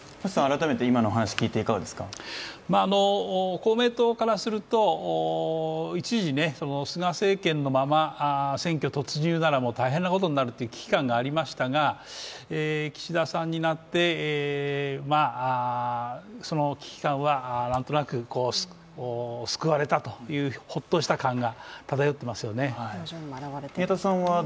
公明党からすると一時、菅政権のまま選挙突入なら、大変なことになるという危機感がありましたが岸田さんになって、その危機感はなんとなく救われたというほっとした感が漂ってますよね。